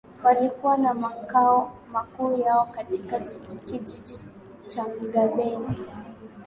walikuwa na makao makuu yao katika kijiji cha Magbeni